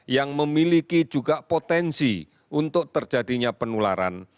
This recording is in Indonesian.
yang memiliki juga potensi untuk terjadinya penularan